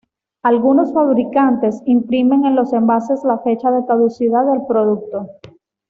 Algunos fabricantes imprimen en los envases la fecha de caducidad del producto.